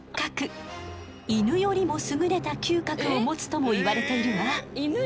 犬よりも優れた嗅覚を持つともいわれているわ。